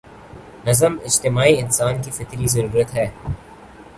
نظم اجتماعی انسان کی فطری ضرورت ہے۔